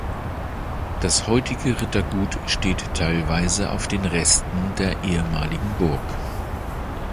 Das heutige Rittergut steht teilweise auf den Resten der ehemaligen Burg.